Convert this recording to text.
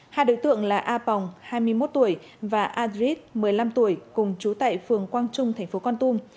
hai đối tượng là a pong hai mươi một tuổi và adrit một mươi năm tuổi cùng chú tại phường con tum